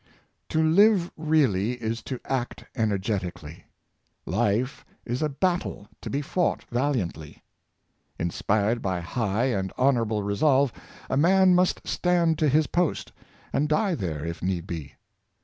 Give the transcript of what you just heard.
To live really is to act energetically. Life is a bat tle to be fought valiantly. Inspired by high and honor able resolve, a man must stand to his post, and die there, if need be.